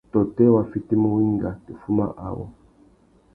Tôtê wa fitimú wenga tu fuma awô.